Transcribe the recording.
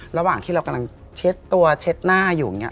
ระหว่างที่เรากำลังเช็ดตัวเช็ดหน้าอยู่อย่างนี้